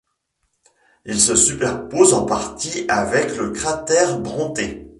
Il se superpose en partie avec le cratère Brontë.